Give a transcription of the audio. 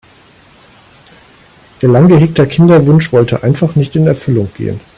Ihr lang gehegter Kinderwunsch wollte einfach nicht in Erfüllung gehen.